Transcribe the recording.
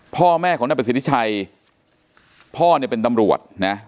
พ่อแม่ของนายประสิทธิชัยพ่อเนี่ยเป็นตำรวจนะ